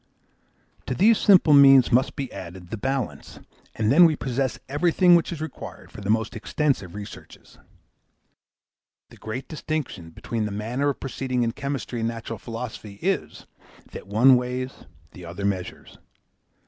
To these simple means must be added "The Balance," and then we possess everything which is required for the most extensive researches. The great distinction between the manner of proceeding in chemistry and natural philosophy is, that one weighs, the other measures.